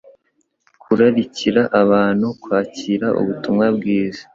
Kurarikira abantu kwakira ubutumwa bwiza